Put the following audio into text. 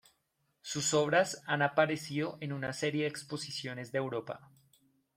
Sus obras han aparecido en una serie de exposiciones de Europa.